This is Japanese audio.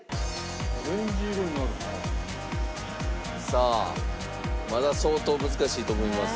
さあまだ相当難しいと思います。